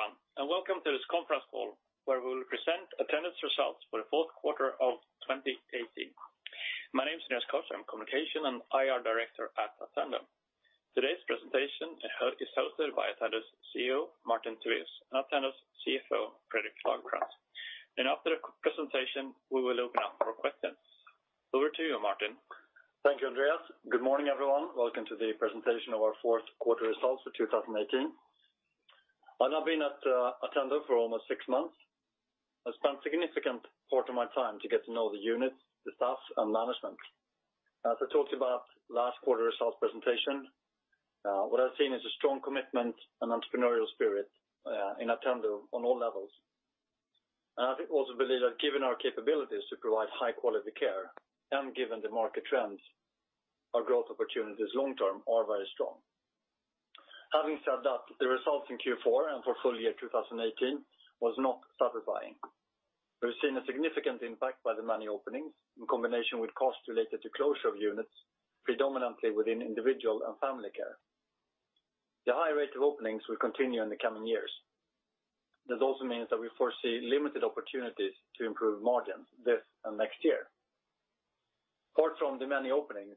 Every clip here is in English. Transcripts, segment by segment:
Good morning, everyone, and welcome to this conference call, where we will present Attendo's results for the fourth quarter of 2018. My name is Andreas Carlsson, Communication and IR Director at Attendo. Today's presentation is hosted by Attendo's CEO, Martin Tivéus, and Attendo's CFO, Fredrik Lagercrantz. After the presentation, we will open up for questions. Over to you, Martin. Thank you, Andreas. Good morning, everyone. Welcome to the presentation of our fourth quarter results for 2018. I've now been at Attendo for almost six months. I've spent significant part of my time to get to know the units, the staff, and management. As I talked about last quarter results presentation, what I've seen is a strong commitment and entrepreneurial spirit in Attendo on all levels. I also believe that given our capabilities to provide high-quality care, and given the market trends, our growth opportunities long-term are very strong. Having said that, the results in Q4 and for full year 2018 was not satisfying. We've seen a significant impact by the many openings in combination with cost related to closure of units, predominantly within individual and family care. The high rate of openings will continue in the coming years. That also means that we foresee limited opportunities to improve margins this and next year. Apart from the many openings,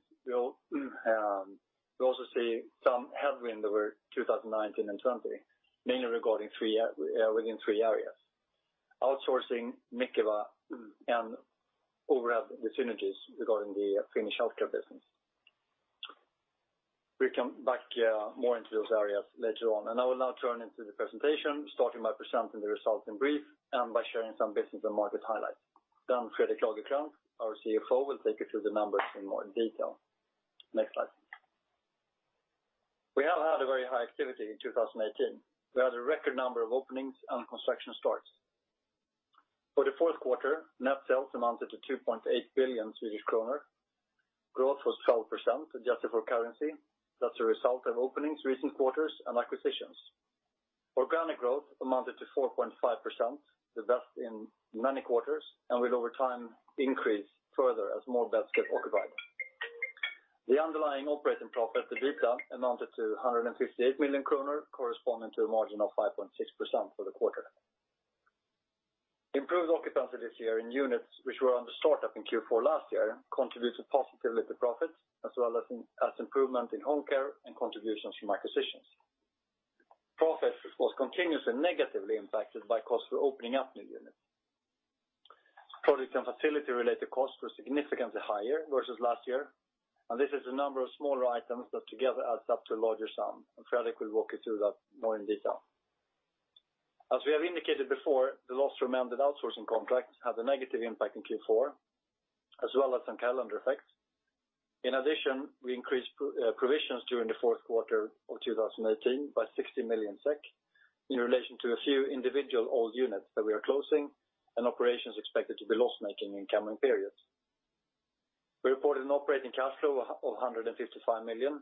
we also see some headwind over 2019 and 2020, mainly within three areas: outsourcing, continuously negatively impacted by cost for opening up new units. Project and facility-related costs were significantly higher versus last year, and this is a number of smaller items that together adds up to a larger sum. Fredrik will walk you through that more in detail. As we have indicated before, the lost remembered outsourcing contracts had a negative impact in Q4, as well as some calendar effects. In addition, we increased provisions during the fourth quarter of 2018 by 60 million SEK in relation to a few individual old units that we are closing and operations expected to be loss-making in coming periods. We reported an operating cash flow of 155 million,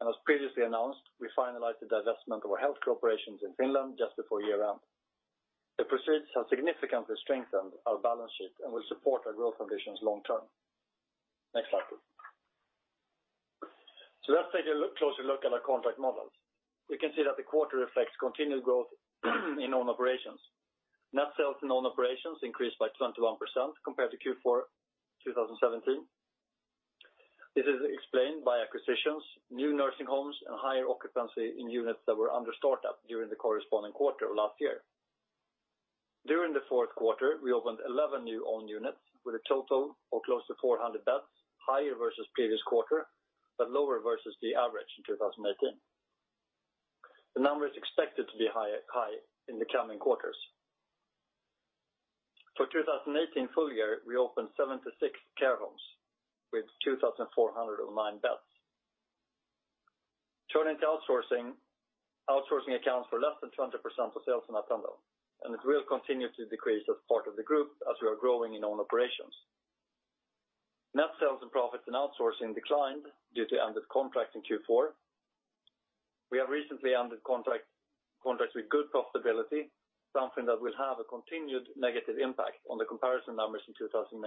and as previously announced, we finalized the divestment of our health care operations in Finland just before year-end. The proceeds have significantly strengthened our balance sheet and will support our growth ambitions long-term. Next slide, please. Let's take a closer look at our contract models. We can see that the quarter reflects continued growth in own operations. Net sales in own operations increased by 21% compared to Q4 2017. This is explained by acquisitions, new nursing homes, and higher occupancy in units that were under start-up during the corresponding quarter of last year. During the fourth quarter, we opened 11 new own units with a total of close to 400 beds, higher versus previous quarter, but lower versus the average in 2018. The number is expected to be high in the coming quarters. For 2018 full year, we opened 76 care homes with 2,409 beds. Turning to outsourcing. Outsourcing accounts for less than 20% of sales in Attendo, and it will continue to decrease as part of the group as we are growing in own operations. Net sales and profits in outsourcing declined due to ended contracts in Q4. We have recently ended contracts with good profitability, something that will have a continued negative impact on the comparison numbers in 2019.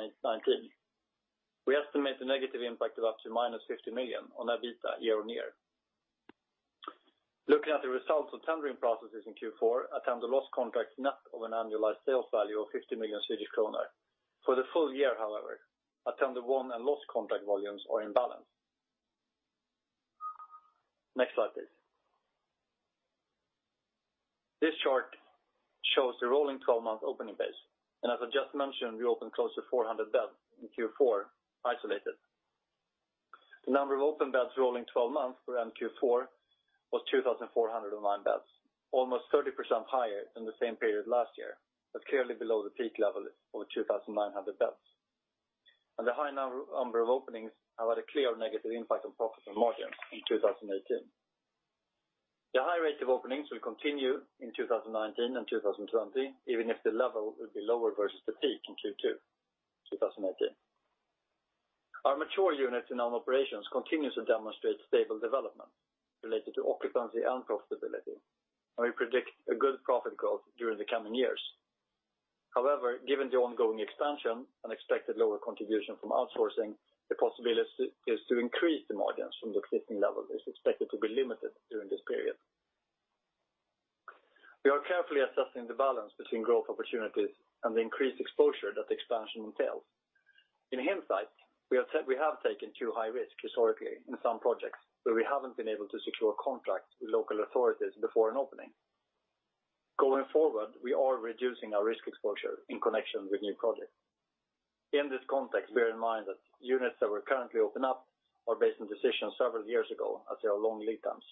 We estimate the negative impact of up to minus 50 million on EBITDA year-on-year. Looking at the results of tendering processes in Q4, Attendo lost contracts net of an annualized sales value of 50 million Swedish kronor. For the full year, however, Attendo won and lost contract volumes are in balance. Next slide, please. This chart shows the rolling 12 month opening pace. As I just mentioned, we opened close to 400 beds in Q4 isolated. The number of open beds rolling 12 months around Q4 was 2,409 beds, almost 30% higher than the same period last year, but clearly below the peak level of 2,900 beds. The high number of openings have had a clear negative impact on profit and margin in 2018. The high rate of openings will continue in 2019 and 2020, even if the level will be lower versus the peak in Q2 2018. Our mature units in own operations continue to demonstrate stable development related to occupancy and profitability, and we predict a good profit growth during the coming years. However, given the ongoing expansion and expected lower contribution from outsourcing, the possibility to increase the margins from the existing level is expected to be limited during this period. We are carefully assessing the balance between growth opportunities and the increased exposure that the expansion entails. In hindsight, we have taken too high risk historically in some projects where we haven't been able to secure a contract with Local Authorities before an opening. Going forward, we are reducing our risk exposure in connection with new projects. In this context, bear in mind that units that were currently open up are based on decisions several years ago as there are long lead times.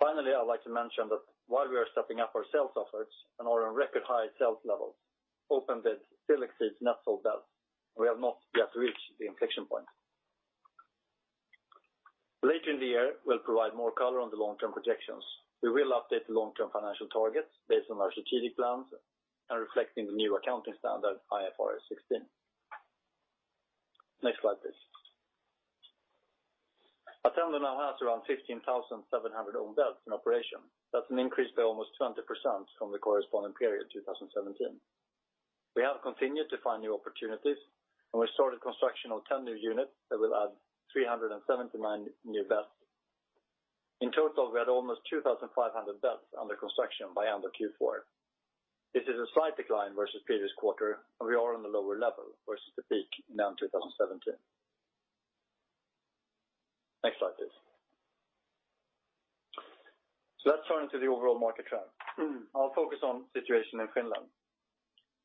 Finally, I'd like to mention that while we are stepping up our sales efforts and are on record high sales levels, open beds still exceeds net sold beds. We have not yet reached the inflection point. Later in the year, we will provide more color on the long-term projections. We will update the long-term financial targets based on our strategic plans and reflecting the new accounting standard, IFRS 16. Next slide, please. Attendo now has around 15,700 owned beds in operation. That's an increase by almost 20% from the corresponding period 2017. We have continued to find new opportunities, and we started construction of 10 new units that will add 379 new beds. In total, we had almost 2,500 beds under construction by end of Q4. This is a slight decline versus previous quarter, and we are on the lower level versus the peak in end 2017. Next slide, please. Let's turn to the overall market trend. I'll focus on situation in Finland.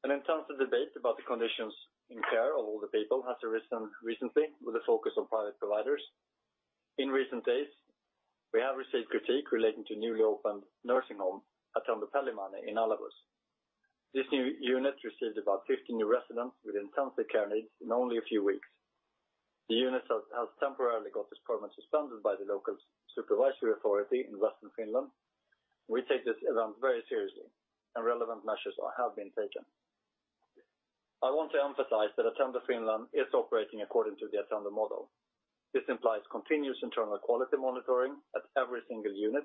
An intense debate about the conditions in care of older people has arisen recently with a focus on private providers. In recent days, we have received critique relating to newly opened nursing home, Attendo Pelimanni in Alavus. This new unit received about 50 new residents with intensive care needs in only a few weeks. The unit has temporarily got its permit suspended by the local supervisory authority in Western Finland. We take this event very seriously, and relevant measures have been taken. I want to emphasize that Attendo Finland is operating according to the Attendo model. This implies continuous internal quality monitoring at every single unit,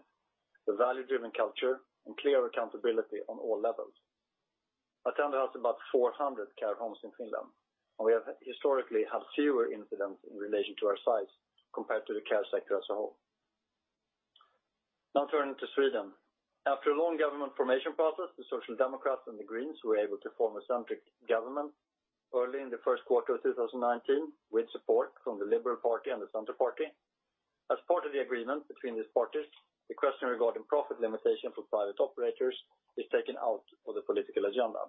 a value-driven culture, and clear accountability on all levels. Attendo has about 400 care homes in Finland, and we have historically had fewer incidents in relation to our size compared to the care sector as a whole. Now turning to Sweden. After a long government formation process, the Social Democrats and the Greens were able to form a centric government early in the first quarter of 2019 with support from the Liberal Party and the Center Party. As part of the agreement between these parties, the question regarding profit limitation for private operators is taken out of the political agenda.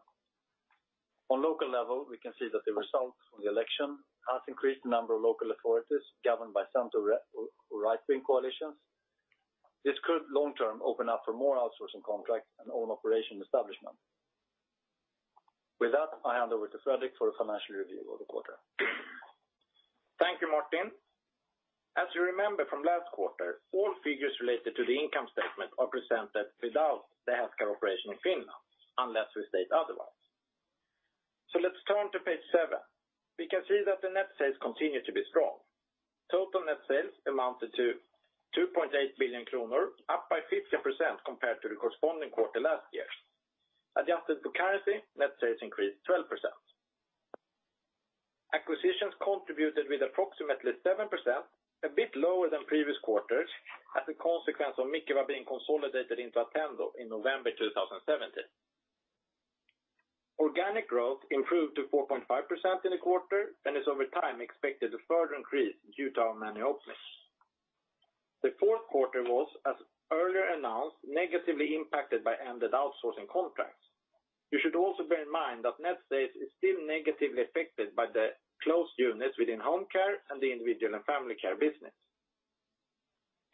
On local level, we can see that the results from the election has increased the number of local authorities governed by center or right-wing coalitions. This could long term open up for more outsourcing contracts and own operation establishment. With that, I hand over to Fredrik for a financial review of the quarter. Thank you, Martin. As you remember from last quarter, all figures related to the income statement are presented without the healthcare operation in Finland, unless we state otherwise. Let's turn to page seven. We can see that the net sales continue to be strong. Total net sales amounted to 2.8 billion kronor, up by 50% compared to the corresponding quarter last year. Adjusted to currency, net sales increased 12%. Acquisitions contributed with approximately 7%, a bit lower than previous quarters as a consequence of Mikeva being consolidated into Attendo in November 2017. Organic growth improved to 4.5% in the quarter, and is over time expected to further increase due to our many openings. The fourth quarter was, as earlier announced, negatively impacted by ended outsourcing contracts. You should also bear in mind that net sales is still negatively affected by the closed units within home care and the individual and family care business.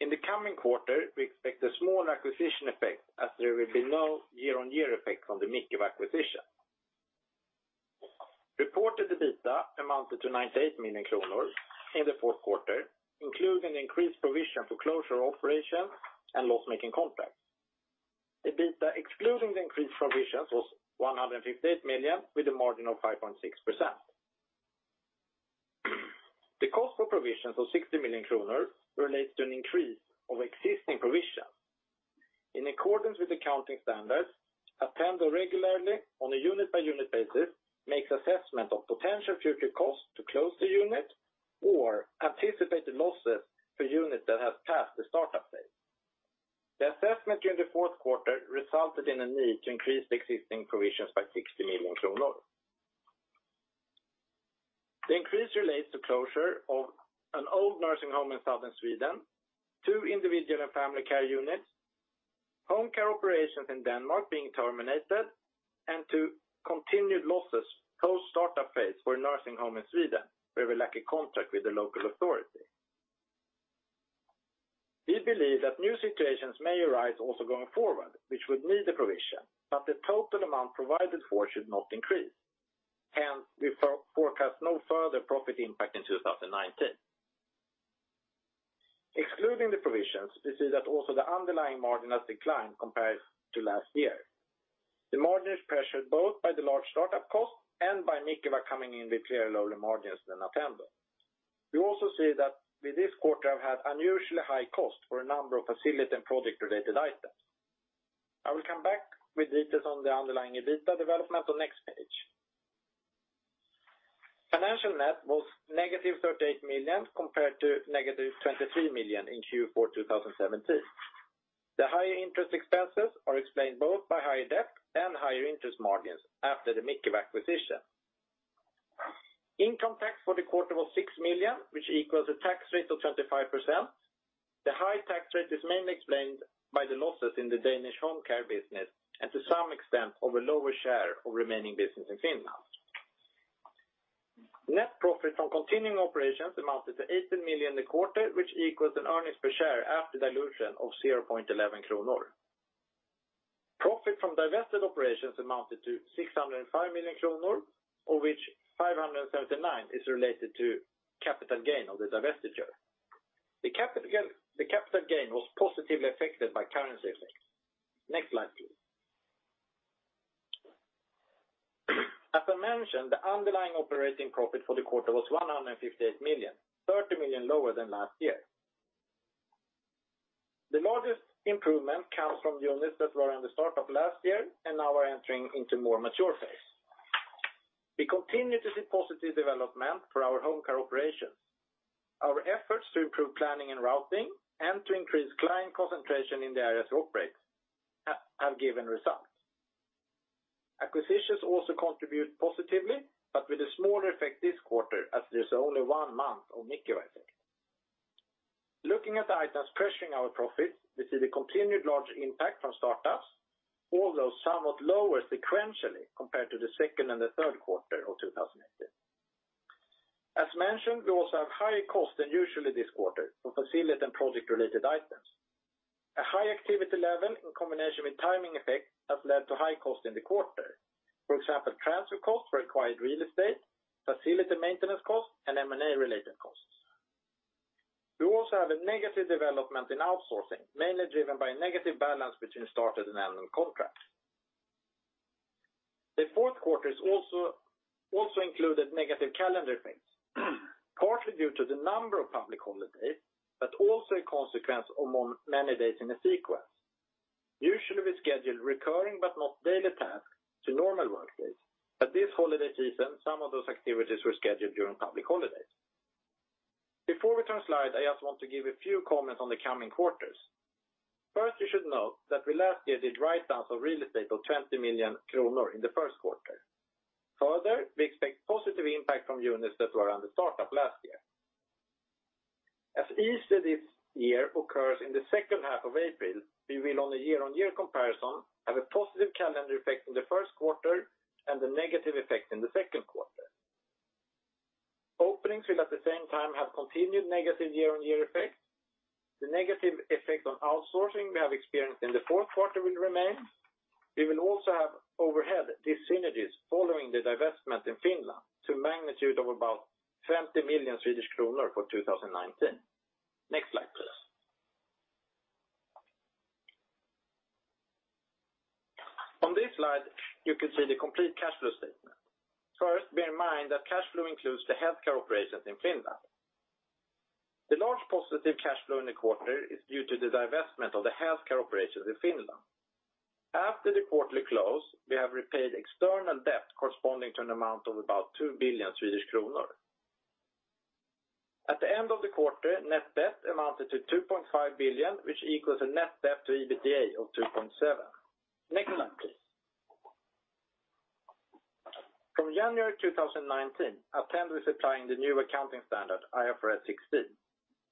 In the coming quarter, we expect a small acquisition effect as there will be no year-on-year effect from the Mikeva acquisition. Reported EBITDA amounted to 98 million kronor in the fourth quarter, including increased provision for closure operations and loss-making contracts. EBITDA, excluding the increased provisions, was 158 million with a margin of 5.6%. The cost for provisions of 60 million kronor relates to an increase of existing provision. In accordance with accounting standards, Attendo regularly, on a unit-by-unit basis, makes assessment of potential future costs to close the unit or anticipated losses for units that have passed the startup phase. The assessment during the fourth quarter resulted in a need to increase the existing provisions by 60 million kronor. The increase relates to closure of an old nursing home in Southern Sweden, two individual and family care units, home care operations in Denmark being terminated, and to continued losses post-startup phase for a nursing home in Sweden, where we lack a contract with the local authority. We believe that new situations may arise also going forward, which would need a provision, but the total amount provided for should not increase. Hence, we forecast no further profit impact in 2019. Excluding the provisions, we see that also the underlying margin has declined compared to last year. The margin is pressured both by the large startup cost and by Mikeva coming in with clearly lower margins than Attendo. You also see that with this quarter, I've had unusually high cost for a number of facility and project-related items. I will come back with details on the underlying EBITDA development on next page. Financial net was negative 38 million compared to negative 23 million in Q4 2017. The higher interest expenses are explained both by higher debt and higher interest margins after the Mikeva acquisition. Income tax for the quarter was 6 million, which equals a tax rate of 35%. The high tax rate is mainly explained by the losses in the Danish home care business, and to some extent, of a lower share of remaining business in Finland. Net profit from continuing operations amounted to 18 million a quarter, which equals an earnings per share after dilution of 0.11 kronor. Profit from divested operations amounted to 605 million kronor, of which 579 million is related to capital gain of the divestiture. The capital gain was positively affected by currency effects. Next slide, please. As I mentioned, the underlying operating profit for the quarter was 158 million, 30 million lower than last year. The largest improvement comes from units that were on the start-up last year and now are entering into more mature phase. We continue to see positive development for our home care operations. Our efforts to improve planning and routing and to increase client concentration in the areas we operate have given results. Acquisitions also contribute positively, but with a smaller effect this quarter as there's only one month of Mikeva effect. Looking at the items crushing our profits, we see the continued large impact from start-ups, although somewhat lower sequentially compared to the second and the third quarter of 2018. As mentioned, we also have higher cost than usually this quarter for facility and project-related items. A high activity level in combination with timing effect has led to high cost in the quarter. For example, transfer costs for acquired real estate, facility maintenance costs, and M&A related costs. We also have a negative development in outsourcing, mainly driven by a negative balance between started and annual contracts. The fourth quarter has also included negative calendar effects, partially due to the number of public holiday, but also a consequence of many days in a sequence. Usually, we schedule recurring but not daily tasks to normal workdays. This holiday season, some of those activities were scheduled during public holidays. Before we turn slide, I just want to give a few comments on the coming quarters. First, you should note that we last year did write downs of real estate of 20 million kronor in the first quarter. Further, we expect positive impact from units that were under start-up last year. As Easter this year occurs in the second half of April, we will on a year-on-year comparison have a positive calendar effect in the first quarter and a negative effect in the second quarter. Openings will at the same time have continued negative year-on-year effects. The negative effect on outsourcing we have experienced in the fourth quarter will remain. We will also have overhead dis-synergies following the divestment in Finland to a magnitude of about 50 million Swedish kronor for 2019. Next slide, please. On this slide, you can see the complete cash flow statement. First, bear in mind that cash flow includes the healthcare operations in Finland. The large positive cash flow in the quarter is due to the divestment of the healthcare operations in Finland. After the quarterly close, we have repaid external debt corresponding to an amount of about 2 billion Swedish kronor. At the end of the quarter, net debt amounted to 2.5 billion, which equals a net debt to EBITDA of 2.7. Next slide, please. From January 2019, Attendo is applying the new accounting standard IFRS 16.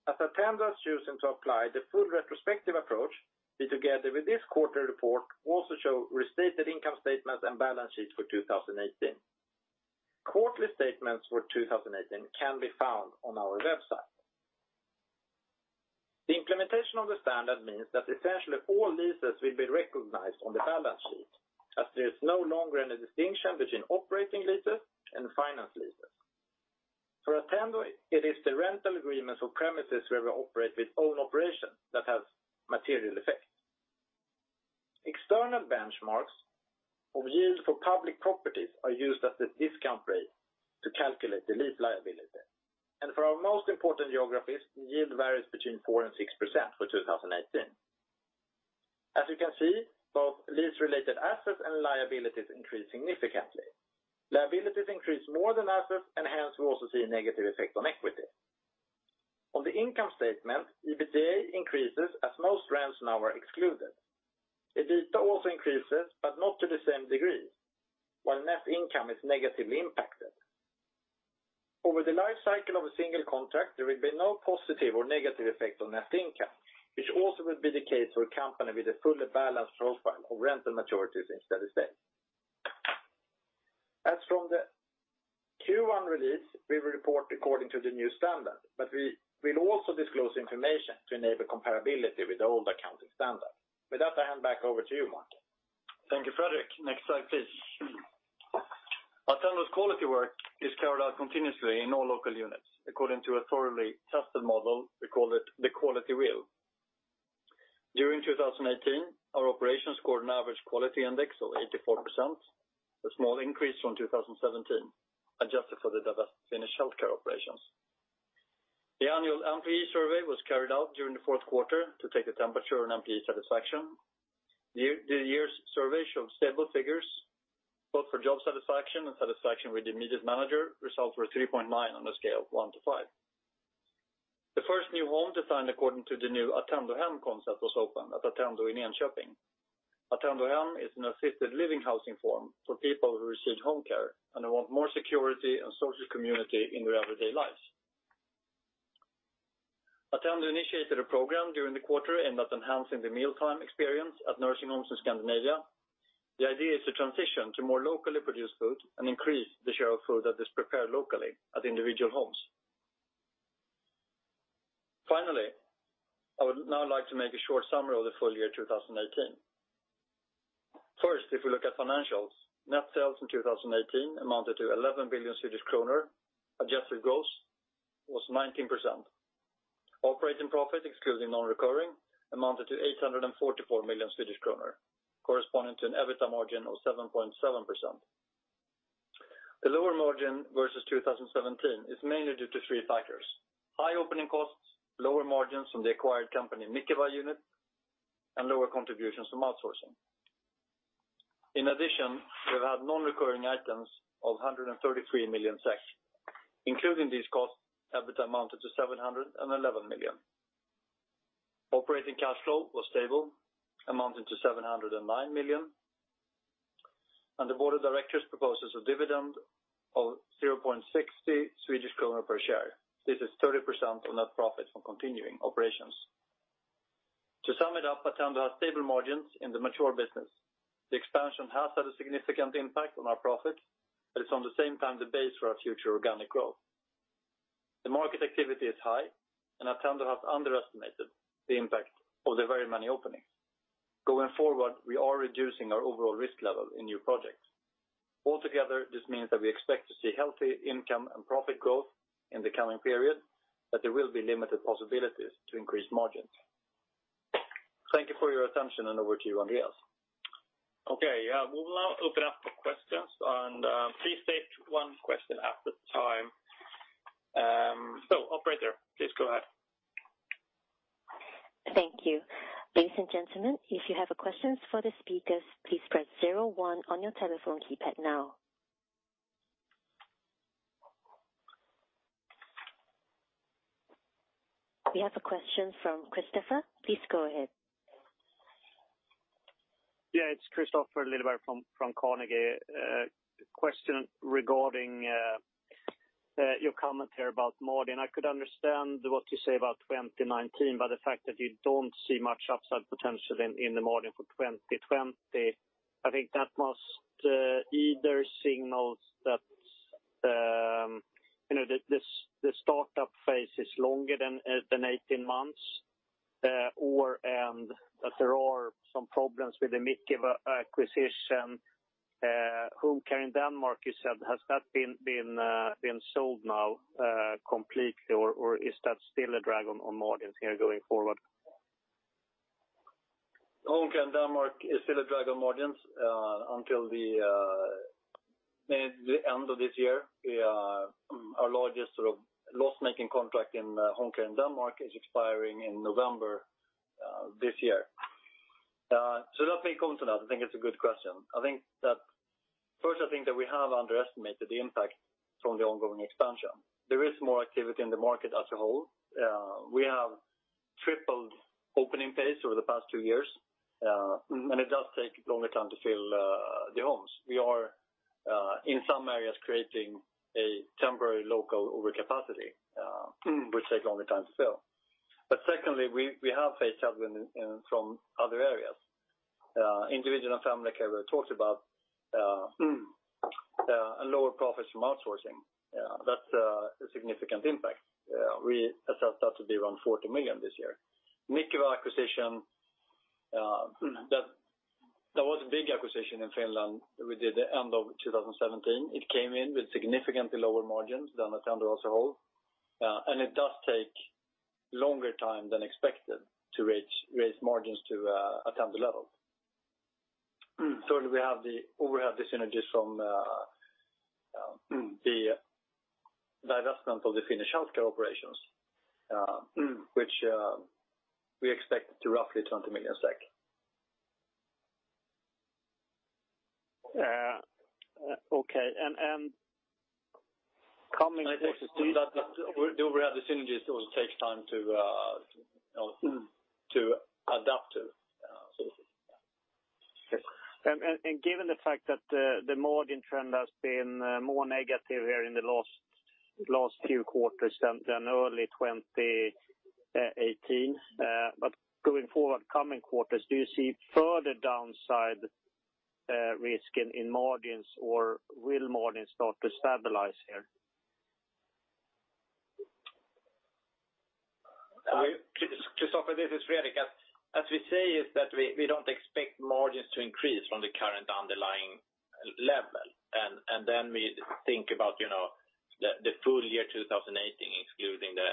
As Attendo has chosen to apply the full retrospective approach, we together with this quarterly report also show restated income statements and balance sheets for 2018. Quarterly statements for 2018 can be found on our website. The implementation of the standard means that essentially all leases will be recognized on the balance sheet, as there's no longer any distinction between operating leases and finance leases. For Attendo, it is the rental agreements for premises where we operate with own operations that has material effect. External benchmarks of yield for public properties are used as the discount rate to calculate the lease liability. For our most important geographies, yield varies between 4% and 6% for 2018. As you can see, both lease-related assets and liabilities increase significantly. Liabilities increase more than assets, and hence we also see a negative effect on equity. On the income statement, EBITDA increases as most rents now are excluded. EBITDA also increases, but not to the same degree, while net income is negatively impacted. Over the life cycle of a single contract, there will be no positive or negative effect on net income, which also will be the case for a company with a fully balanced profile of rental maturities and steady state. As from the Q1 release, we will report according to the new standard, but we will also disclose information to enable comparability with the old accounting standard. With that, I hand back over to you, Martin. Thank you, Fredrik. Next slide, please. Attendo's quality work is carried out continuously in all local units according to a thoroughly tested model. We call it the Quality Wheel. During 2018, our operations scored an average quality index of 84%, a small increase from 2017, adjusted for the divested Finnish healthcare operations. The annual MPE survey was carried out during the fourth quarter to take the temperature on MPE satisfaction. The year's survey showed stable figures, both for job satisfaction and satisfaction with immediate manager results were 3.9 on a scale of one to five. The first new home designed according to the new AttendoHem concept was opened at Attendo in Enköping. AttendoHem is an assisted living housing form for people who receive home care and who want more security and social community in their everyday lives. Attendo initiated a program during the quarter aimed at enhancing the mealtime experience at nursing homes in Scandinavia. The idea is to transition to more locally produced food and increase the share of food that is prepared locally at individual homes. I would now like to make a short summary of the full year 2018. If we look at financials, net sales in 2018 amounted to 11 billion Swedish kronor. Adjusted gross was 19%. Operating profit, excluding non-recurring, amounted to 844 million Swedish kronor, corresponding to an EBITDA margin of 7.7%. The lower margin versus 2017 is mainly due to three factors: high opening costs, lower margins from the acquired company Mikeva unit, and lower contributions from outsourcing. We've had non-recurring items of 133 million. Including these costs, EBITDA amounted to 711 million. Operating cash flow was stable, amounting to 709 million. The board of directors proposes a dividend of 0.60 Swedish kronor per share. This is 30% on net profit from continuing operations. To sum it up, Attendo has stable margins in the mature business. The expansion has had a significant impact on our profit, it's at the same time the base for our future organic growth. The market activity is high, Attendo has underestimated the impact of the very many openings. Going forward, we are reducing our overall risk level in new projects. This means that we expect to see healthy income and profit growth in the coming period, but there will be limited possibilities to increase margins. Thank you for your attention, over to you, Andreas. Okay. We will now open up for questions. Please state one question at a time. Operator, please go ahead. Thank you. Ladies and gentlemen, if you have questions for the speakers, please press zero one on your telephone keypad now. We have a question from Kristofer. Please go ahead. It's Kristofer Liljeberg from Carnegie. Question regarding your comment here about margin. I could understand what you say about 2019, the fact that you don't see much upside potential in the margin for 2020, I think that must either signal that the startup phase is longer than 18 months or and that there are some problems with the Mikeva acquisition. Home care in Denmark, you said, has that been sold now completely or is that still a drag on margins here going forward? Home care in Denmark is still a drag on margins until the end of this year. Our largest loss-making contract in home care in Denmark is expiring in November this year. Let me come to that. I think it's a good question. First, I think that we have underestimated the impact from the ongoing expansion. There is more activity in the market as a whole. We have tripled opening pace over the past two years, and it does take a longer time to fill the homes. We are in some areas creating a temporary local overcapacity, which takes a longer time to fill. Secondly, we have a challenge from other areas. Individual and Family Care we talked about, and lower profits from outsourcing. That's a significant impact. We expect that to be around 40 million this year. Mikeva acquisition that was a big acquisition in Finland we did the end of 2017. It came in with significantly lower margins than Attendo as a whole. It does take longer time than expected to raise margins to Attendo level. Thirdly, we have the synergies from the divestment of the Finnish healthcare operations, which we expect to roughly 20 million SEK. Okay. Coming- The synergies also takes time to adapt to. Given the fact that the margin trend has been more negative here in the last few quarters than early 2018. Going forward, coming quarters, do you see further downside risk in margins or will margins start to stabilize here? Kristofer, this is Fredrik. As we say is that we don't expect margins to increase from the current underlying level We think about the full year 2018, excluding the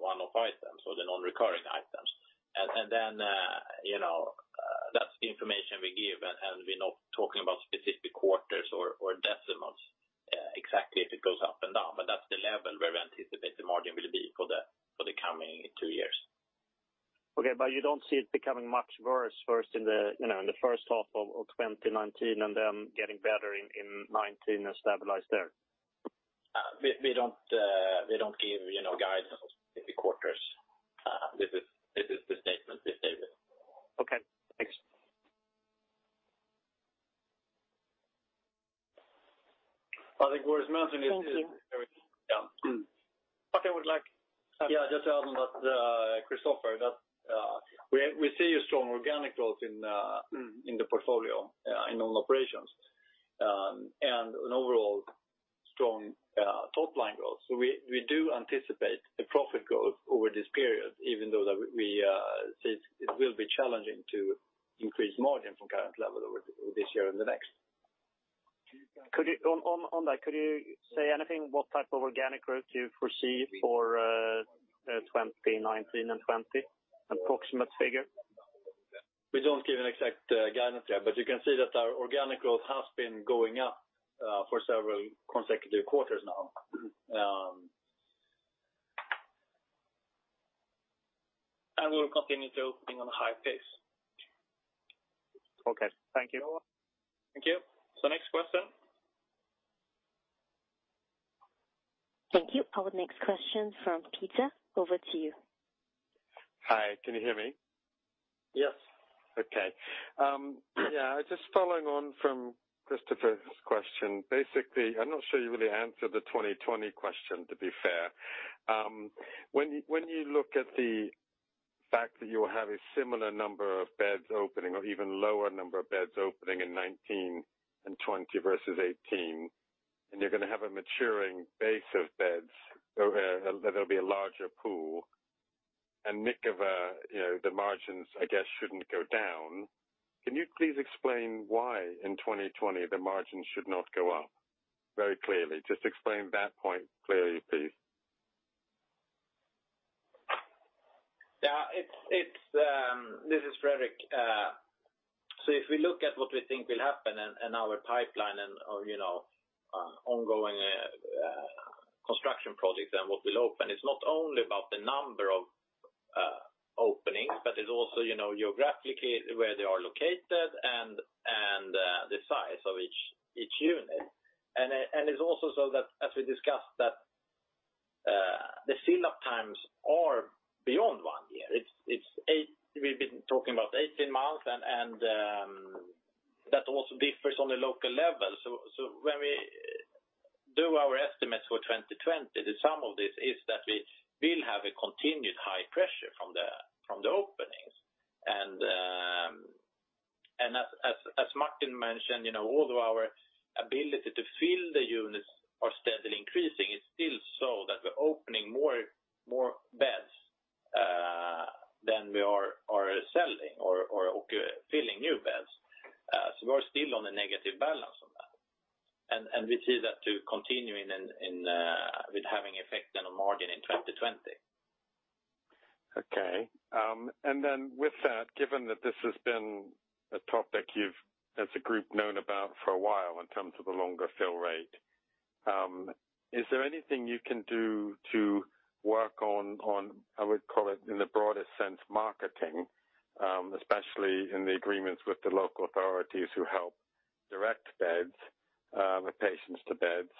one-off items or the non-recurring items. That's the information we give, and we're not talking about specific quarters or decimals, exactly if it goes up and down, but that's the level where we anticipate the margin will be for the coming two years. Okay, you don't see it becoming much worse first in the first half of 2019, and then getting better in 2019 and stabilize there? We don't give guidance on specific quarters. This is the statement we've given. Okay, thanks. I think what Martin is. Thank you. Yeah. Martin Yeah, just to add on that, Kristofer, that we see a strong organic growth in the portfolio, in normal operations. An overall strong top-line growth. We do anticipate a profit growth over this period, even though that we see it will be challenging to increase margin from current level over this year and the next. On that, could you say anything what type of organic growth you foresee for 2019 and 2020? Approximate figure. We don't give an exact guidance yet, you can see that our organic growth has been going up for several consecutive quarters now. We'll continue to opening on a high pace. Okay. Thank you. Thank you. Next question. Thank you. Our next question from Peter. Over to you. Hi, can you hear me? Yes. Okay. Yeah, just following on from Kristofer's question. I'm not sure you really answered the 2020 question, to be fair. When you look at the fact that you'll have a similar number of beds opening or even lower number of beds opening in 2019 and 2020 versus 2018, you're going to have a maturing base of beds, that there'll be a larger pool, Mikeva margins, I guess, shouldn't go down. Can you please explain why in 2020 the margins should not go up? Very clearly. Just explain that point clearly, please. Yeah. This is Fredrik. If we look at what we think will happen and our pipeline and our ongoing construction projects and what will open, it's not only about the number of openings, but it's also geographically where they are located and the size of each unit. It's also so that as we discussed that the fill up times are beyond one year. We've been talking about 18 months, and that also differs on the local level. When we do our estimates for 2020, the sum of this is that we will have a continued high pressure from the openings. As Martin mentioned, although our ability to fill the units are steadily increasing, it's still so that we're opening more beds than we are selling or filling new beds. We are still on a negative balance on that. We see that to continuing with having effect on our margin in 2020. Okay. With that, given that this has been a topic you've as a group known about for a while in terms of the longer fill rate, is there anything you can do to work on, I would call it in the broadest sense, marketing, especially in the agreements with the Local Authorities who help direct beds, the patients to beds,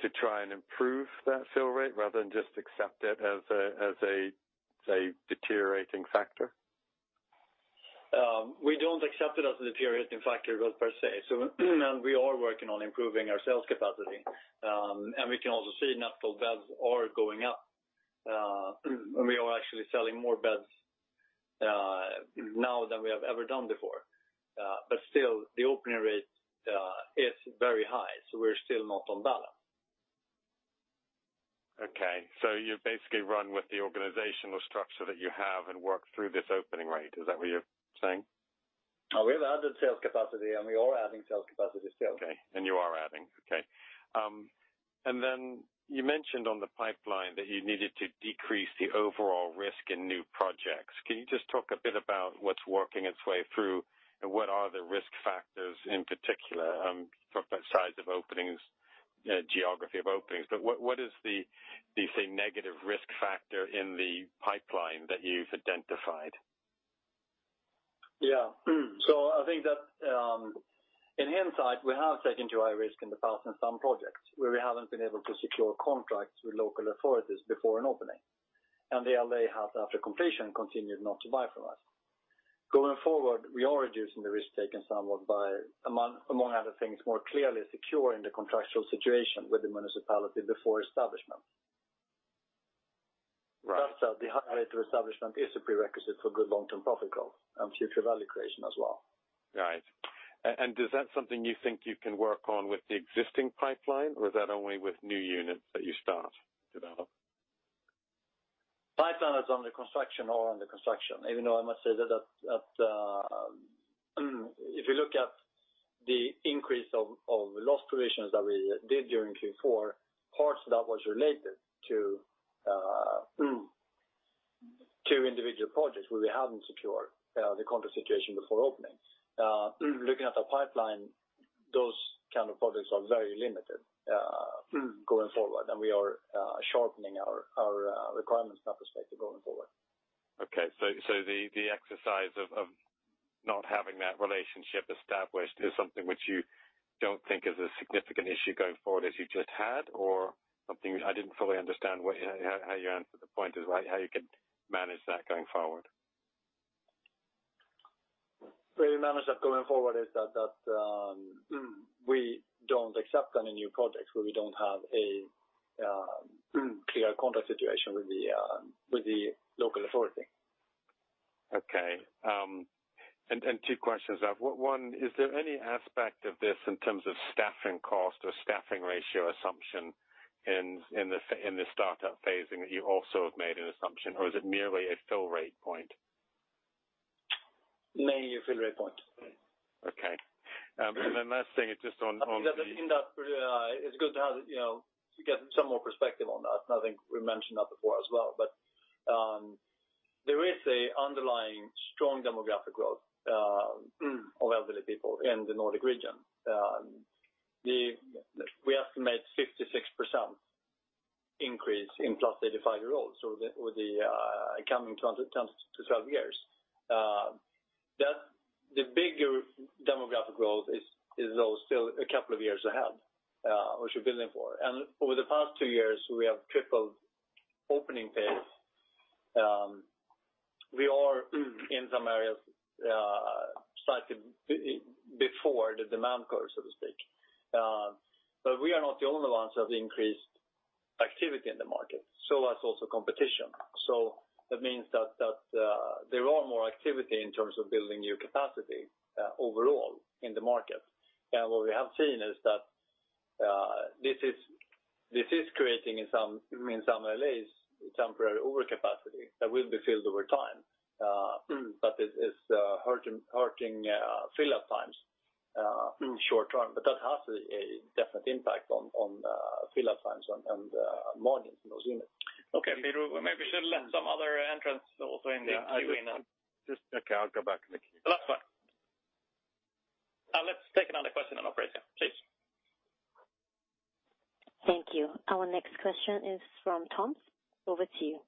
to try and improve that fill rate rather than just accept it as a deteriorating factor? We don't accept it as a deteriorating factor per se. We are working on improving our sales capacity. We can also see net filled beds are going up. We are actually selling more beds now than we have ever done before. Still, the opening rate is very high, so we're still not on balance. Okay. You basically run with the organizational structure that you have and work through this opening rate. Is that what you're saying? We have added sales capacity. We are adding sales capacity still. Okay. You are adding. Okay. Then you mentioned on the pipeline that you needed to decrease the overall risk in new projects. Can you just talk a bit about what's working its way through and what are the risk factors in particular from size of openings, geography of openings. What is the negative risk factor in the pipeline that you've identified? Yeah. I think that in hindsight, we have taken too high risk in the past in some projects where we haven't been able to secure contracts with Local Authorities before an opening, and they have, after completion, continued not to buy from us. Going forward, we are reducing the risk-taking somewhat by, among other things, more clearly securing the contractual situation with the municipality before establishment. Right. The high rate of establishment is a prerequisite for good long-term profit growth and future value creation as well. Right. Is that something you think you can work on with the existing pipeline, or is that only with new units that you start to develop? Standards under construction are under construction, even though I must say that if you look at the increase of loss provisions that we did during Q4, parts of that was related to individual projects where we hadn't secured the contract situation before opening. Looking at the pipeline, those kind of projects are very limited going forward, and we are sharpening our requirements in that respect going forward. Okay. The exercise of not having that relationship established is something which you don't think is a significant issue going forward as you just had, or I didn't fully understand how you answered the point is how you can manage that going forward. The way we manage that going forward is that we don't accept any new projects where we don't have a clear contract situation with the local authority. Okay. Two questions. One, is there any aspect of this in terms of staffing cost or staffing ratio assumption in the startup phasing that you also have made an assumption, or is it merely a fill rate point? Merely a fill rate point. Okay. Last thing is just. It's good to get some more perspective on that, I think we mentioned that before as well. There is an underlying strong demographic growth of elderly people in the Nordic region. We estimate 66% increase in plus 85 year-olds over the coming 10-12 years. The bigger demographic growth is though still a couple of years ahead, which we're building for. Over the past two years, we have tripled opening pace. We are in some areas slightly before the demand curve, so to speak. We are not the only ones who have increased activity in the market. Has also competition. That means that there is more activity in terms of building new capacity overall in the market. What we have seen is that this is creating in some LAs temporary overcapacity that will be filled over time. It is hurting fill-up times in the short run. That has a definite impact on fill-up times and margins in those units. Okay, Peter, maybe we should let some other entrants also in the queue in. Just okay, I'll go back in the queue. Last one. Let's take another question on operator, please. Thank you. Our next question is from Tom. Over to you.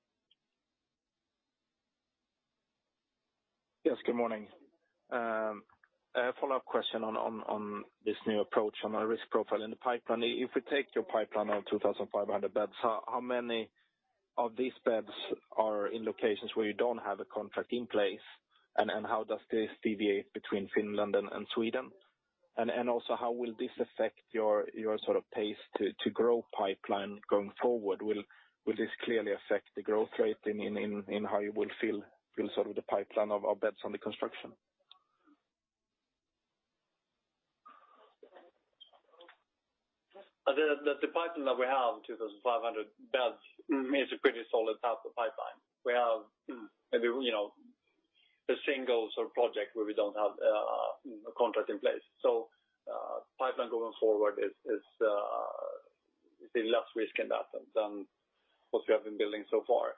Yes, good morning. A follow-up question on this new approach on our risk profile in the pipeline. If we take your pipeline of 2,500 beds, how many of these beds are in locations where you don't have a contract in place, and how does this deviate between Finland and Sweden? Also how will this affect your pace to grow pipeline going forward? Will this clearly affect the growth rate in how you will fill the pipeline of beds under construction? The pipeline that we have, 2,500 beds, is a pretty solid half of the pipeline. We have maybe a single project where we don't have a contract in place. Pipeline going forward is in less risk in Attendo than what we have been building so far.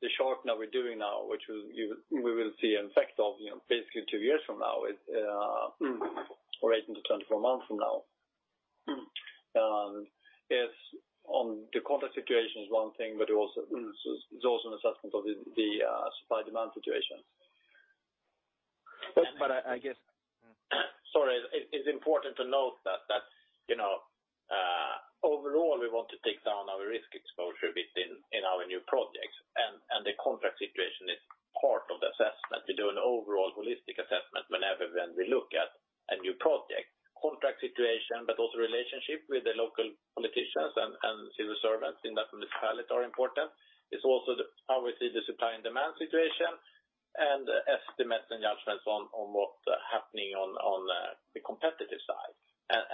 The shorten that we're doing now, which we will see an effect of basically two years from now is, or 18-24 months from now, is on the contract situation is one thing, but it's also an assessment of the supply-demand situation. I guess. Sorry. It's important to note that overall, we want to take down our risk exposure within our new projects, the contract situation is part of the assessment. We do an overall holistic assessment whenever we look at a new project. Contract situation, also relationship with the local politicians and civil servants in that municipality are important. It's also how we see the supply-demand situation and estimates and judgments on what is happening on the competitive side.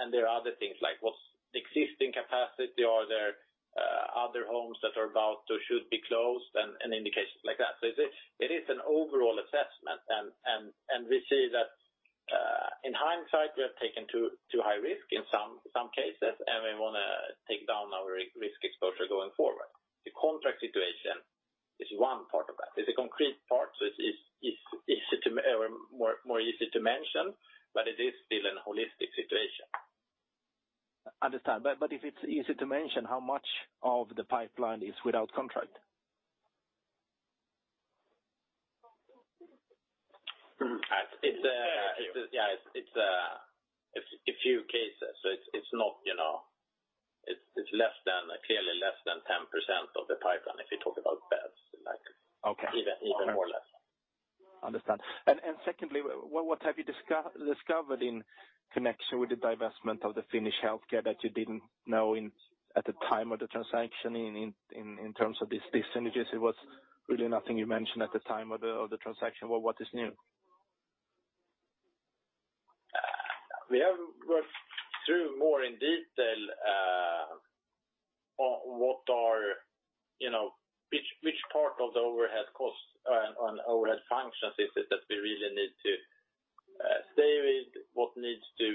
There are other things like what's existing capacity, are there other homes that are about to should be closed, and indications like that. It is an overall assessment, we see that in hindsight, we have taken too high risk in some cases, and we want to take down our risk exposure going forward. The contract situation is one part of that. It's a concrete part, so it's more easy to mention, it is still an holistic situation. Understand. If it's easy to mention, how much of the pipeline is without contract? It's a few cases. It's clearly less than 10% of the pipeline if you talk about beds. Okay. Even more or less. Understand. Secondly, what have you discovered in connection with the divestment of the Finnish healthcare that you didn't know at the time of the transaction in terms of these synergies? It was really nothing you mentioned at the time of the transaction. What is new? We have worked through more in detail which part of the overhead cost on overhead functions is it that we really need to save, what needs to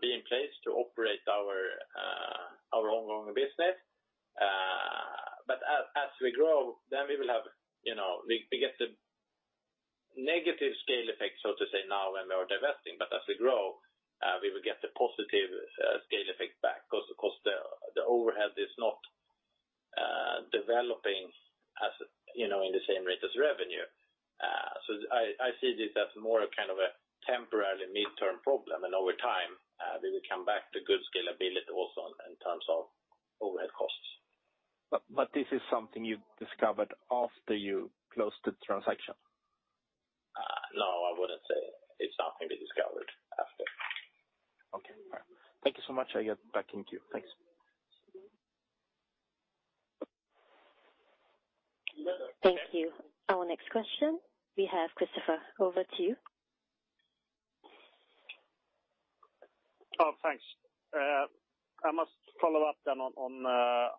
be in place to operate our ongoing business. As we grow, then we get the negative scale effect, so to say now when we are divesting. As we grow, we will get the positive scale effect back because the overhead is not developing in the same rate as revenue. I see this as more of a temporary midterm problem. Over time, we will come back to good scalability also in terms of overhead costs. This is something you've discovered after you closed the transaction? No, I wouldn't say it's something we discovered after. Okay. All right. Thank you so much. I get back in queue. Thanks. Thank you. Our next question we have Kristofer, over to you. Thanks. I must follow up then on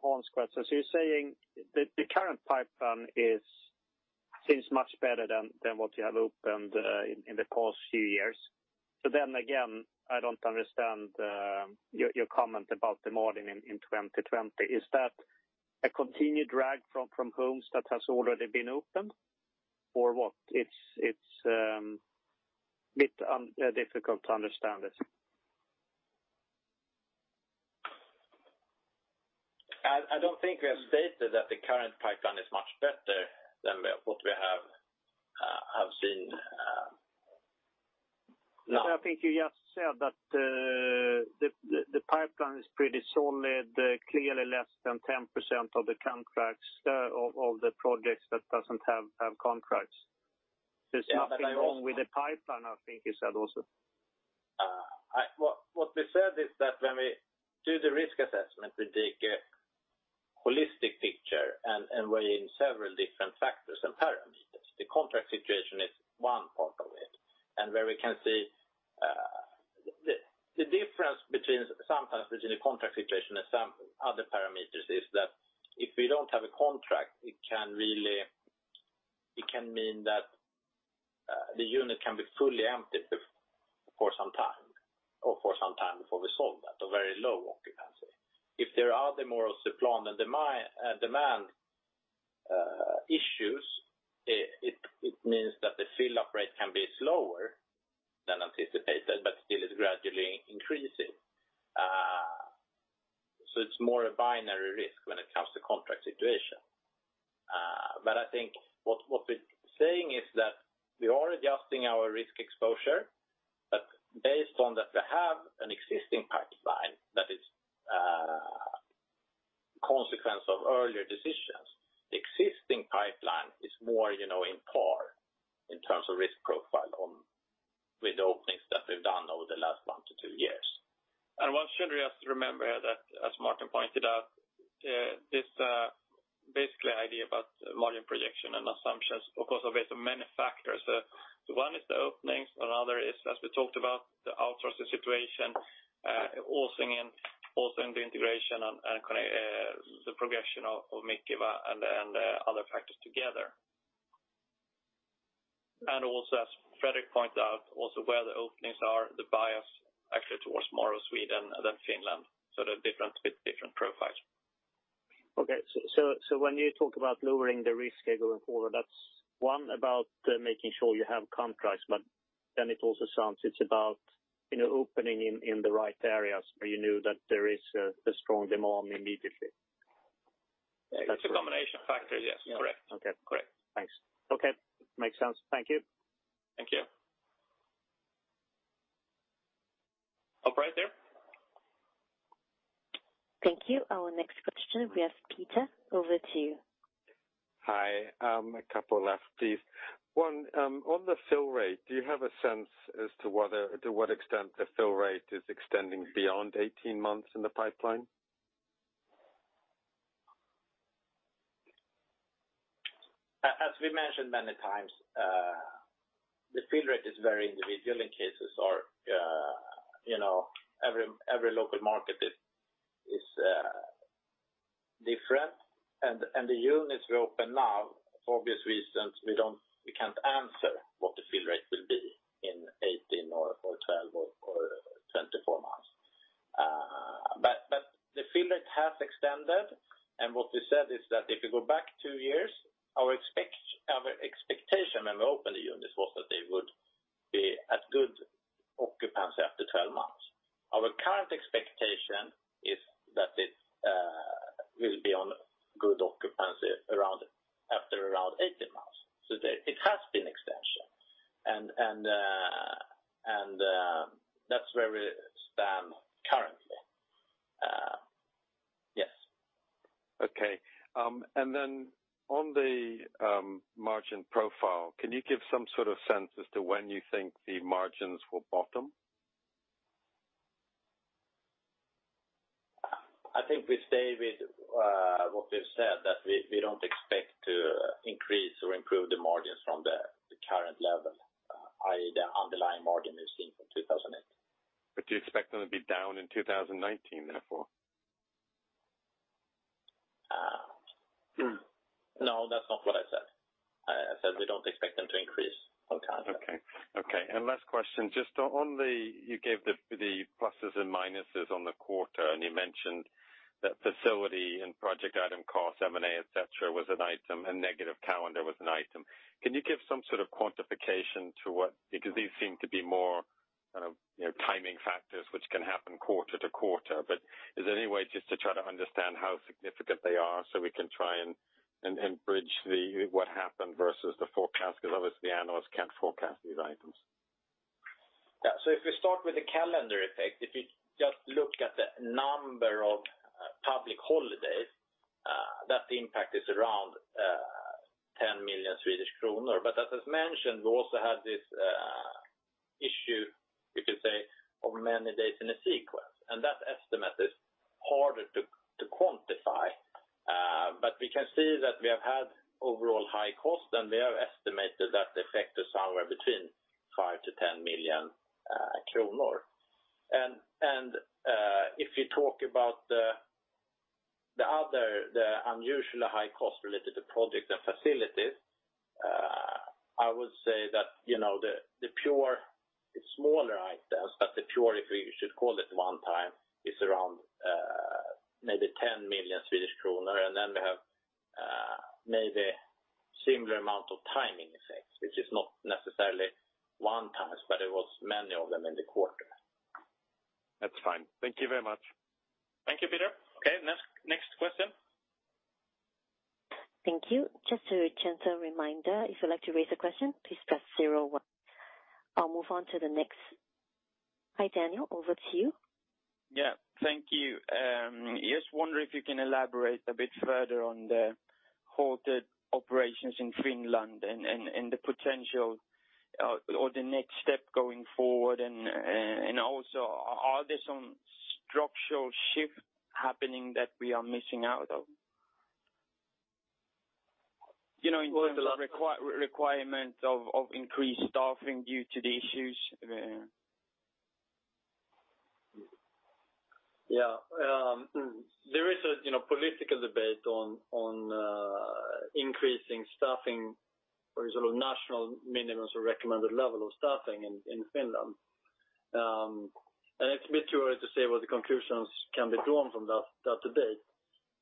Hans' question. You're saying the current pipeline seems much better than what you have opened in the past few years. Then again, I don't understand your comment about the margin in 2020. Is that a continued drag from homes that has already been opened or what? It's a bit difficult to understand it. I don't think we have stated that the current pipeline is much better than what we have seen now. I think you just said that the pipeline is pretty solid, clearly less than 10% of all the projects that doesn't have contracts. There's nothing wrong with the pipeline, I think you said also. What we said is that when we do the risk assessment, we take a holistic picture and weigh in several different factors and parameters. The contract situation is one part of it. Where we can see the difference between sometimes within the contract situation and some other parameters is that if we don't have a contract, it can mean that the unit can be fully empty for some time, or for some time before we sold that, a very low occupancy. If there are other more supply and demand issues, it means that the fill rate can be slower than anticipated, but still is gradually increasing. It's more a binary risk when it comes to contract situation. I think what we're saying is that we are adjusting our risk exposure, but based on that we have an existing pipeline that is a consequence of earlier decisions. The existing pipeline is more in par in terms of risk profile with openings that we've done over the last one to two years. One should just remember that as Martin pointed out, this basically idea about margin projection and assumptions, of course, there are many factors. One is the openings. Another is, as we talked about, the outsourcing situation also in the integration and the progression of Mikeva and other factors together. Also as Fredrik pointed out, also where the openings are the bias actually towards more of Sweden than Finland. They're different profiles. Okay. When you talk about lowering the risk going forward, that's one about making sure you have contracts, it also sounds it's about opening in the right areas where you know that there is a strong demand immediately. It's a combination of factors. Yes. Correct. Okay. Correct. Thanks. Okay. Makes sense. Thank you. Thank you. All right there? Thank you. Our next question, we have Peter, over to you. Hi. A couple left, please. One, on the fill rate, do you have a sense as to what extent the fill rate is extending beyond 18 months in the pipeline? As we mentioned many times, the fill rate is very individual in cases or every local market is different. The units we open now, for obvious reasons, we can't answer what the fill rate will be in 18 or 12 or 24 months. The fill rate has extended, and what we said is that if you go back two years, our expectation when we opened the units was that they would be at good occupancy after 12 months. Our current expectation is that it will be on good occupancy after around 18 months. It has been extension. That's where we stand currently. Yes. Okay. Then on the margin profile, can you give some sort of sense as to when you think the margins will bottom? I think we stay with what we've said, that we don't expect to increase or improve the margins from the current level. i.e., the underlying margin we've seen for 2018. Do you expect them to be down in 2019, therefore? No, that's not what I said. I said we don't expect them to increase from current level. Okay. Last question, you gave the pluses and minuses on the quarter, and you mentioned that facility and project item cost, M&A, et cetera, was an item, and negative calendar was an item. Can you give some sort of quantification? These seem to be more timing factors which can happen quarter to quarter. Is there any way just to try to understand how significant they are so we can try and bridge what happened versus the forecast? Obviously analysts can't forecast these items. Yeah. If we start with the calendar effect, if you just look at the number of public holidays, that impact is around 10 million Swedish kronor. As was mentioned, we also had this issue, we could say, of many days in a sequence. That estimate is harder to quantify. We can see that we have had overall high cost, and we have estimated that effect is somewhere between 5 million-10 million kronor. If you talk about the other unusually high cost related to project and facilities, I would say that the pure smaller items, but the pure, if we should call it one time, is around maybe 10 million Swedish kronor. Then we have maybe similar amount of timing effects, which is not necessarily one times, but it was many of them in the quarter. That's fine. Thank you very much. Thank you, Peter. Okay. Next question. Thank you. Just a gentle reminder, if you'd like to raise a question, please press zero one. I'll move on to the next. Hi, Daniel. Over to you. Yeah. Thank you. Just wondering if you can elaborate a bit further on the halted operations in Finland and the potential or the next step going forward, and also are there some structural shift happening that we are missing out of in terms of requirement of increased staffing due to the issues? There is a political debate on increasing staffing or national minimum recommended level of staffing in Finland. It's a bit too early to say what the conclusions can be drawn from that debate.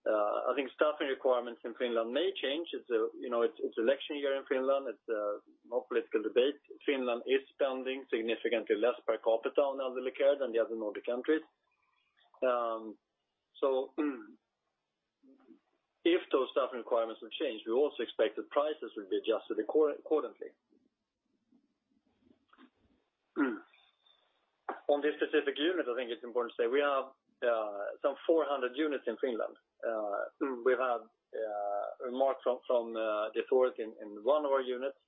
I think staffing requirements in Finland may change. It's an election year in Finland. It's a political debate. Finland is spending significantly less per capita on elderly care than the other Nordic countries. If those staffing requirements would change, we also expect that prices would be adjusted accordingly. On this specific unit, I think it's important to say we have some 400 units in Finland. We have remarks from the authorities in one of our units.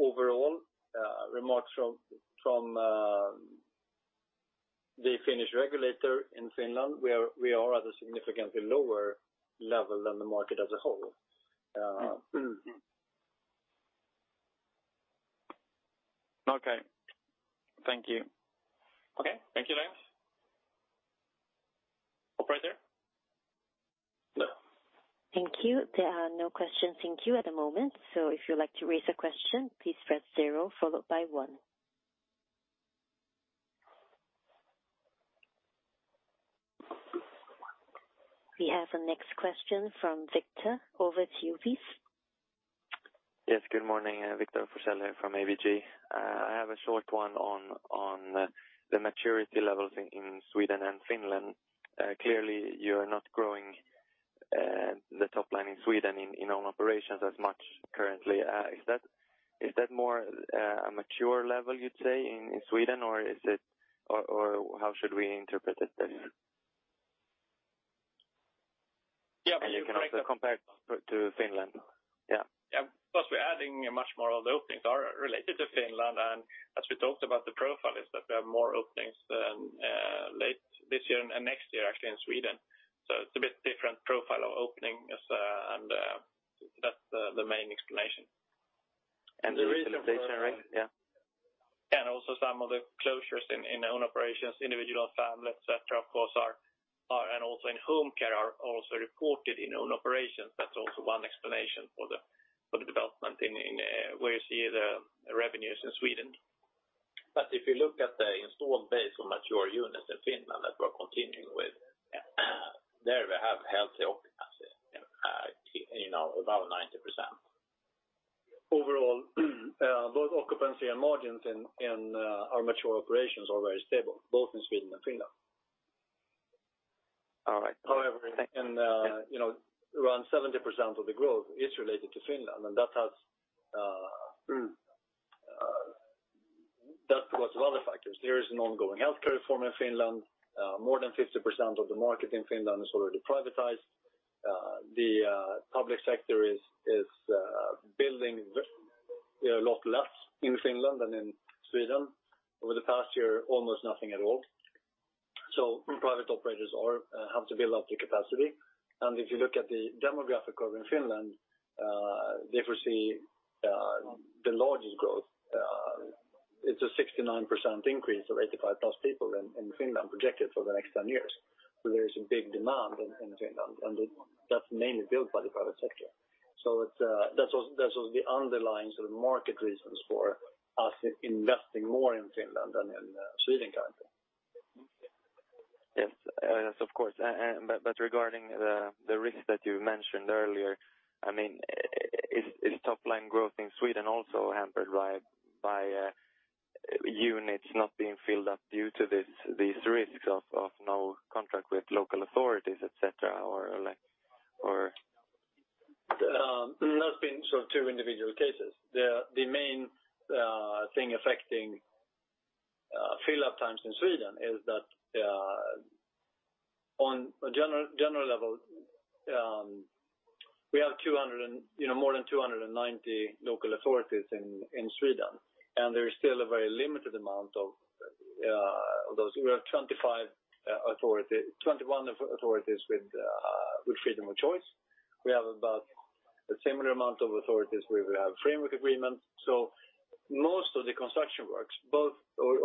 Overall, remarks from the Finnish regulator in Finland, we are at a significantly lower level than the market as a whole. Thank you. Thank you, Daniel. Operator? Thank you. There are no questions in queue at the moment. If you'd like to raise a question, please press zero followed by one. We have the next question from Victor. Over to you, please. Yes, good morning. Victor Forssell from ABG. I have a short one on the maturity levels in Sweden and Finland. Clearly, you are not growing the top line in Sweden in own operations as much currently. Is that more a mature level, you'd say, in Sweden, or how should we interpret it then? You can also compare to Finland. We're adding much more of the openings are related to Finland, and as we talked about the profile, is that we have more openings late this year and next year actually in Sweden. It's a bit different profile of openings, and that's the main explanation. The utilization rate? Also some of the closures in own operations, individual, family, et cetera, and also in home care are also reported in own operations. That's also one explanation for the development where you see the revenues in Sweden. If you look at the installed base of mature units in Finland that we're continuing with, there we have healthy occupancy above 90%. Overall, both occupancy and margins in our mature operations are very stable, both in Sweden and Finland. All right. However, around 70% of the growth is related to Finland, and that was a lot of factors. There is an ongoing healthcare reform in Finland. More than 50% of the market in Finland is already privatized. The public sector is building a lot less in Finland than in Sweden. Over the past year, almost nothing at all. Private operators have to build up the capacity. If you look at the demographic curve in Finland, they foresee the largest growth. It's a 69% increase of 85 plus people in Finland projected for the next 10 years. There is a big demand in Finland, and that's mainly built by the private sector. That was the underlying sort of market reasons for us investing more in Finland than in Sweden currently. Yes, of course. Regarding the risk that you mentioned earlier, is top-line growth in Sweden also hampered by units not being filled up due to these risks of no contract with local authorities, et cetera? Nothing short two individual cases. The main thing affecting fill up times in Sweden is that on a general level, we have more than 290 local authorities in Sweden, and there is still a very limited amount of those. We have 21 authorities with freedom of choice. We have about a similar amount of authorities where we have framework agreements. Most of the construction works,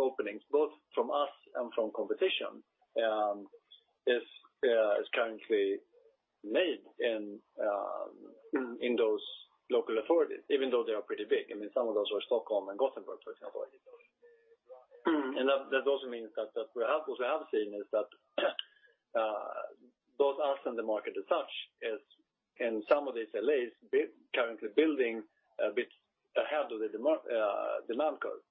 openings, both from us and from competition, is currently made in those local authorities, even though they are pretty big. Some of those are Stockholm and Gothenburg, for example. That also means that what we have seen is that both us and the market as such is in some of these LAs currently building a bit ahead of the demand curve.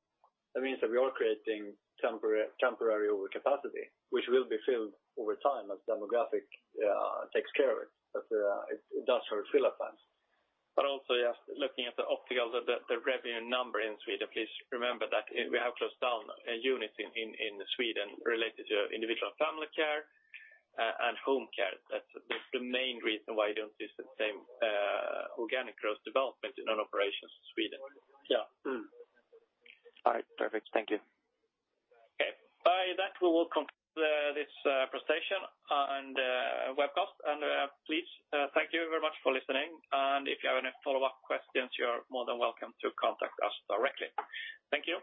That means that we are creating temporary overcapacity, which will be filled over time as demographic takes care of it. It does hurt fill up times. Also, yes, looking at the optics of the revenue number in Sweden, please remember that we have closed down units in Sweden related to individual and family care and home care. That's the main reason why you don't see the same organic growth development in operations Sweden. Yeah. All right. Perfect. Thank you. Okay. By that, we will conclude this presentation and webcast. Please thank you very much for listening. If you have any follow-up questions, you are more than welcome to contact us directly. Thank you.